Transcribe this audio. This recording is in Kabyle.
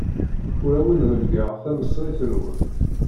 Ur awen-dellgeɣ tamesrit-nwen.